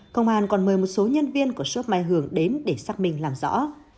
công an còn mời một số nhân viên của shop mai hường đến để xác minh làm rõ